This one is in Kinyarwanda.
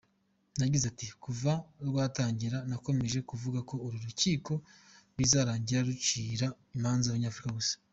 Yagize ati “Kuva rwatangira nakomeje kuvuga ko uru rukiko bizarangira rucira imanza Abanyafurika gusa.